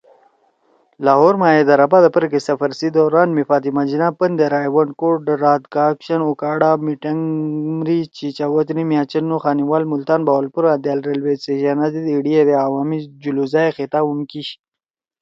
لاہور ما حیدر آبادا پرکے سفر سی دوران می فاطمہ جناح پندے رائے ونڈ، کوٹ رادھاکشن، اوکاڑہ، منٹگمری، چیچہ وطنی، میاں چنوں، خانیوال، ملتان، بہاولپور آں دأل ریلوے سٹیشنا زید ایڑی ہیدے عوامی جلوسا ئے خطاب ہُم کیِشی